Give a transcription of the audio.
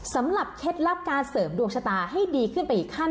เคล็ดลับการเสริมดวงชะตาให้ดีขึ้นไปอีกขั้น